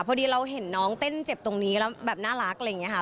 พอดีเราเห็นน้องเต้นเจ็บตรงนี้แล้วแบบน่ารักอะไรอย่างนี้ค่ะ